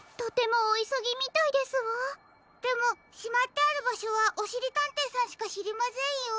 でもしまってあるばしょはおしりたんていさんしかしりませんよ。